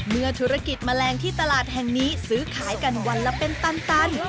เมื่อธุรกิจแมลงที่ตลาดแห่งนี้ซื้อขายกันวันละเป็นตัน